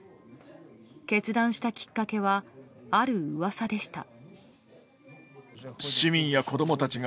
決断したきっかけはある噂でした。